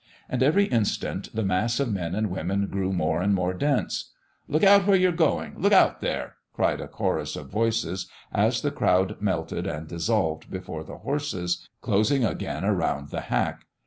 And every instant the mass of men and women grew more and more dense. "Look out where you're going! Look out there!" cried a chorus of voices, as the crowd melted and dissolved before the horses, closing again around the hack.